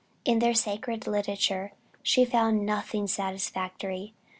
In their sacred literature she found nothing satisfactory.